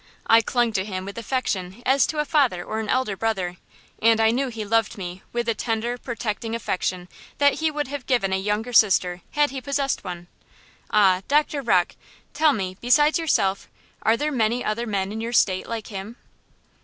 I clung to him with affection as to a father or an elder brother, and I knew he loved me with the tender, protecting affection that he would have given a younger sister, had he possessed one. Ah! Doctor Rocke, tell me, besides yourself, are there many other men in your State like him?"